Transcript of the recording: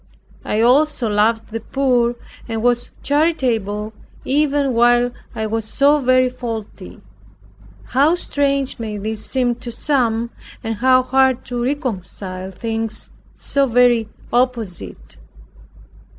I also loved the poor, and was charitable, even while I was so very faulty. How strange may this seem to some, and how hard to reconcile things so very opposite.